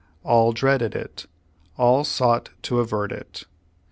All dreaded it. All soup ht to avert it.